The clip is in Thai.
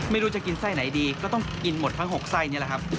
ไม่รู้จะกินไส้ไหนดีก็ต้องกินหมดทั้ง๖ไส้นี่แหละครับ